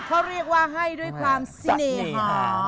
เขาเรียกว่าให้ด้วยความเสน่หา